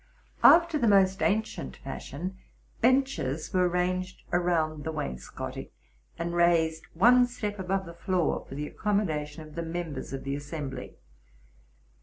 '' After the most ancient fashion, benches were ranged around the wainscoting, and raised one step above the floor for the accommodation of the members of the assembly.